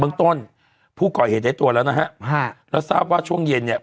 เมืองต้นผู้ก่อเหตุได้ตัวแล้วนะฮะฮะแล้วทราบว่าช่วงเย็นเนี่ย